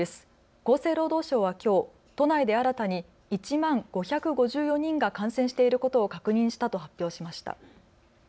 厚生労働省はきょう都内で新たに１万５５４人が感染していることを確認したと発表しました。